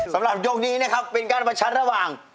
สำหรับยกนี้นะครับเป็นการประชันระหว่าง